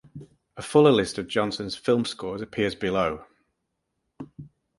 A fuller list of Johnson's film scores appears below.